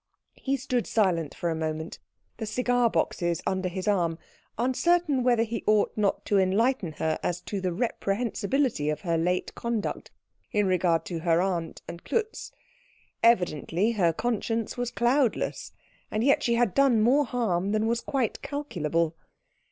He stood silent for a moment, the cigar boxes under his arm, uncertain whether he ought not to enlighten her as to the reprehensibility of her late conduct in regard to her aunt and Klutz. Evidently her conscience was cloudless, and yet she had done more harm than was quite calculable.